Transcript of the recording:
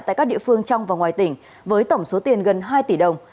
tại các địa phương trong và ngoài tỉnh với tổng số tiền gần hai tỷ đồng